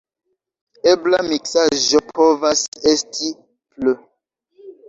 Ebla miksaĵo povas esti pl.